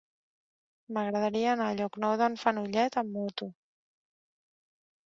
M'agradaria anar a Llocnou d'en Fenollet amb moto.